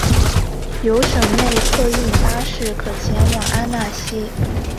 有省内客运巴士可前往阿讷西。